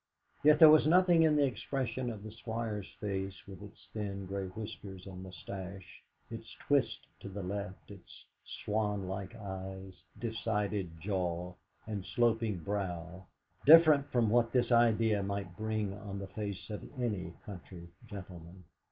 Yet there was nothing in the expression of the Squire's face with its thin grey whiskers and moustache, its twist to the left, its swan like eyes, decided jaw, and sloping brow, different from what this idea might bring on the face of any country gentleman.